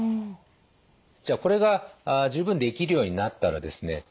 じゃあこれが十分できるようになったらですね